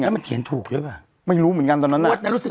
แล้วมันเขียนถูกหรือเปล่าไม่รู้เหมือนกันตอนนั้นน่ะรู้สึก